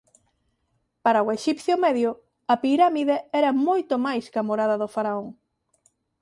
Para o exipcio medio a pirámide era moito máis ca morada do faraón.